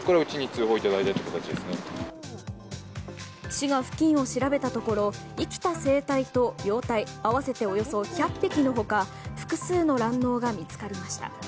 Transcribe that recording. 市が付近を調べたところ生きた成体と幼体合わせておよそ１００匹の他複数の卵のうが見つかりました。